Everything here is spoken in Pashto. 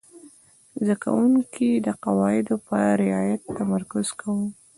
زده کوونکي د قواعدو په رعایت تمرکز کاوه.